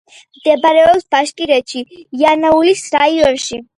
მდებარეობს ბაშკირეთში, იანაულის რაიონში.